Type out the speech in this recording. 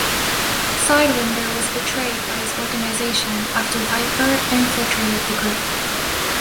Sidewinder was betrayed by his organization after Viper infiltrated the group.